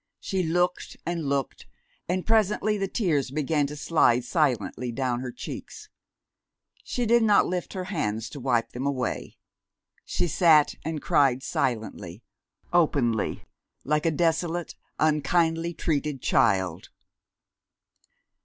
She looked and looked, and presently the tears began to slide silently down her cheeks. She did not lift her hands to wipe them away. She sat and cried silently, openly, like a desolate, unkindly treated child.